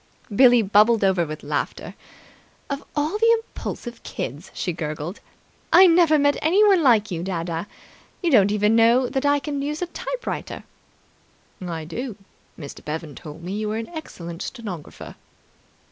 Billie bubbled over with laughter. "Of all the impulsive kids!" she gurgled. "I never met anyone like you, dadda! You don't even know that I can use a typewriter." "I do. Mr. Bevan told me you were an excellent stenographer."